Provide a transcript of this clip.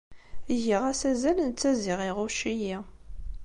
Giɣ-as azal, netta ziɣ iɣucc-iyi.